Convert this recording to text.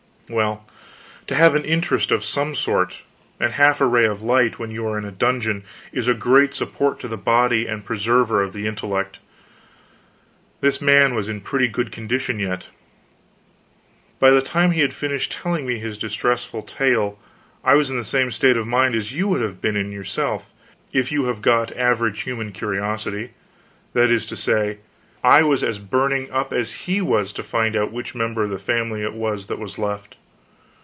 Well, to have an interest, of some sort, and half a ray of light, when you are in a dungeon, is a great support to the body and preserver of the intellect. This man was in pretty good condition yet. By the time he had finished telling me his distressful tale, I was in the same state of mind that you would have been in yourself, if you have got average human curiosity; that is to say, I was as burning up as he was to find out which member of the family it was that was left.